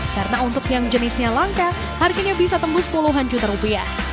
karena untuk yang jenisnya langka harganya bisa tembus puluhan juta rupiah